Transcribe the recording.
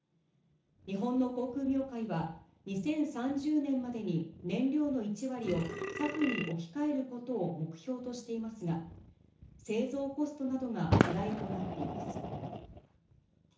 日本の航空業界は、２０３０年までに燃料の１割をサフに置き換えることを目標としていますが、製造コストなどが課題となっています。